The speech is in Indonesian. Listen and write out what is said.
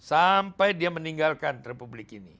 sampai dia meninggalkan republik ini